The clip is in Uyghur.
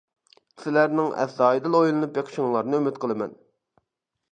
سىلەرنىڭ ئەستايىدىل ئويلىنىپ بېقىشىڭلارنى ئۈمىد قىلىمەن!